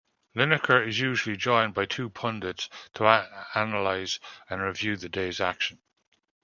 Lineker is usually joined by two pundits to analyse and review the day's action.